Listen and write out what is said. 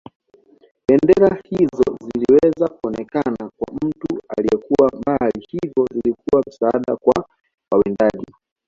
Bendera hizo ziliweza kuonekana kwa mtu aliyekuwa mbali hivyo zilikuwa msaada kwa wawindaji